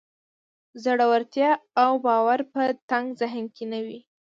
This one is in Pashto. زړورتيا او باور په تنګ ذهن کې نه وي.